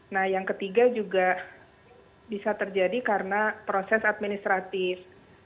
nah yang ketiga juga bisa terjadi karena proses administratif